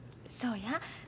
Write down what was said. そうや。